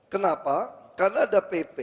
kenapa karena ada pp